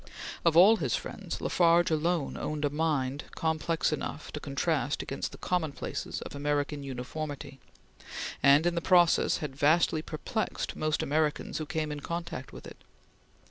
Of all his friends La Farge alone owned a mind complex enough to contrast against the commonplaces of American uniformity, and in the process had vastly perplexed most Americans who came in contact with it.